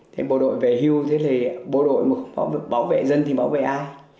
thế bộ đội về hưu thế thì bộ đội bảo vệ dân thì bảo vệ ai